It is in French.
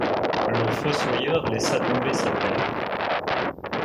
Le fossoyeur laissa tomber sa pelle.